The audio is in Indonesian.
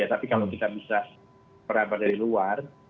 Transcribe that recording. tapi kalau kita bisa merapat dari luar